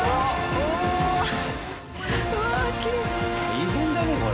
大変だねこれ。